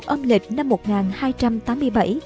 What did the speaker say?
ôm lịch năm một nghìn hai trăm tám mươi một